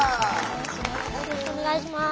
よろしくお願いします。